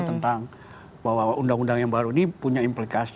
tentang bahwa undang undang yang baru ini punya implikasi